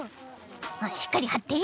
しっかりはって！